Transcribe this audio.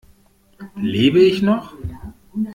Lebe ich noch?